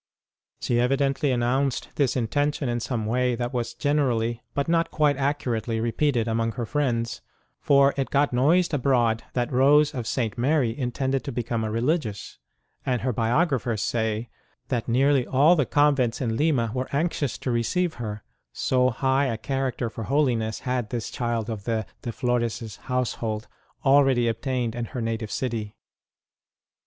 She evidently announced this Q4 ST. ROSE OF LIMA intention in some way that was generally, but not quite accurately, repeated among her friends ; for it got noised abroad that Rose of St. Mary intended to become a Religious; and her biog raphers say that nearly all the convents in Lima were anxious to receive her, so high a character for holiness had this child of the De Flores household already obtained in her native city.